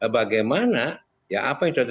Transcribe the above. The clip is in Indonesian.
bagaimana ya apa yang sudah